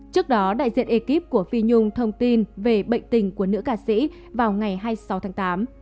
trước đó đại diện ekip của phi nhung thông tin về bệnh tình của nữ ca sĩ vào ngày hai mươi sáu tháng tám